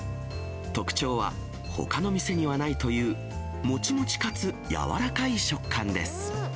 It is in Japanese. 特徴は、ほかの店にはないというもちもちかつ柔らかい食感です。